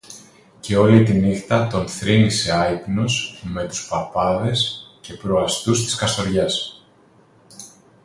Και, όλη τη νύχτα, τον θρήνησε άυπνος, με τους παπάδες και προεστούς της Καστοριάς